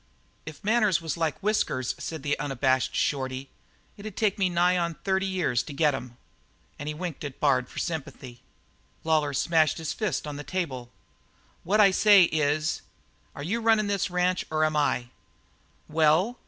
"If manners was like your whiskers," said the unabashed Shorty, "it'd take me nigh onto thirty years to get 'em." And he winked at Bard for sympathy. Lawlor smashed his fist on the table. "What I say is, are you running this ranch or am I?" "Well?"